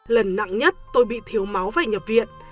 lần nặng nhất tôi bị thiếu máu và nhập viện